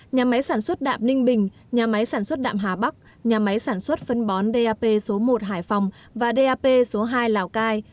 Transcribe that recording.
nhà máy sản xuất đạm ninh bình nhà máy sản xuất đạm hà bắc nhà máy sản xuất phân bón dap số một hải phòng và dap số hai lào cai